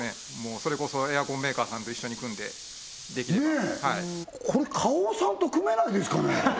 それこそエアコンメーカーさんと一緒に組んでできればねっこれ花王さんと組めないですかね？